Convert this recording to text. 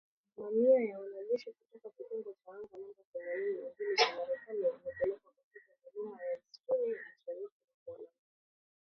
Mamia ya wanajeshi kutoka kitengo cha anga namba themanini na mbili cha Marekani ,wamepelekwa katika milima ya msituni ya mashariki mwa Poland